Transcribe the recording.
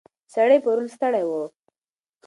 سړی پرون ستړی و.